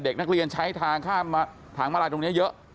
เด็กนักเรียนใช้ทางมาลายตรงนี้เยอะ